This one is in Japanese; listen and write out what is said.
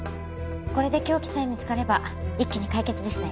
これで凶器さえ見つかれば一気に解決ですね。